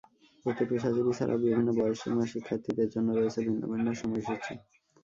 এতে পেশাজীবী ছাড়াও বিভিন্ন বয়সসীমার শিক্ষার্থীদের জন্য রয়েছে ভিন্ন ভিন্ন সময়সূচি।